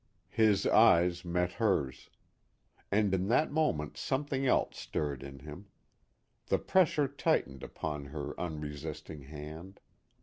His eyes met hers. And in that moment something else stirred in him. The pressure tightened upon her unresisting hand.